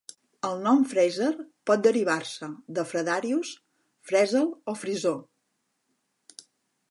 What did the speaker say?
El nom Fraser pot derivar-se de Fredarius, Fresel o Freseau.